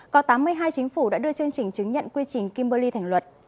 có tám mươi hai chính phủ đã đưa chương trình chứng nhận quy trình kimberley thành luật